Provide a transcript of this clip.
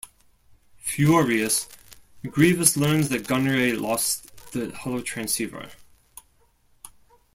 Furious, Grievous learns that Gunray lost the holotransceiver.